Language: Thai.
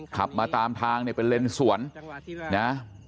ขับมาตามทางเนี่ยเป็นเลนสวนนะ